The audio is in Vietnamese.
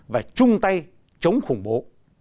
và chung tay chống khủng bố